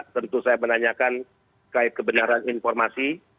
tentu saya menanyakan kait kebenaran informasi